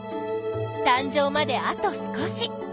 たん生まであと少し。